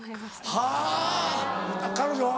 はぁ彼女は？